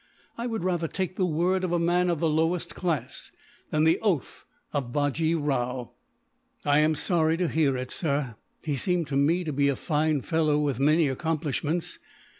I would rather take the word of a man of the lowest class, than the oath of Bajee Rao." "I am sorry to hear it, sir. He seemed to me to be a fine fellow, with many accomplishments.